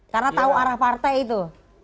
karena tahu arah partai itu